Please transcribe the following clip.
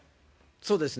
そうですね。